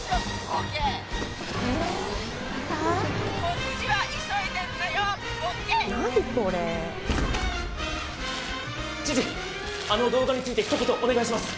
あの動画についてひと言お願いします！